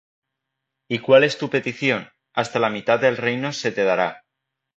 ¿y cuál es tu petición? Hasta la mitad del reino, se te dará.